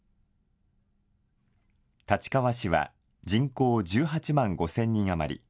立川市は人口１８万５０００人余り。